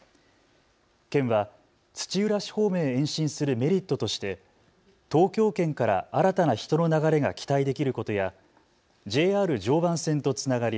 県は土浦市方面へ延伸するメリットとして東京圏から新たな人の流れが期待できることやＪＲ常磐線とつながり